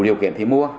đủ điều kiện thì mua